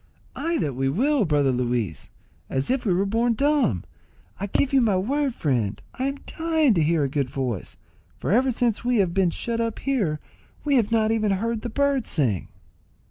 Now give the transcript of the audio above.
Ay that we will, brother Luis, as if we were born dumb. I give you my word, friend, I am dying to hear a good voice, for ever since we have been shut up here we have not even heard the birds sing."